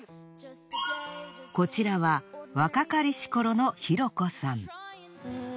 こちらは若かりし頃の大子さん。